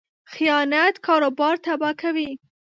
خیانت کاروبار تباه کوي.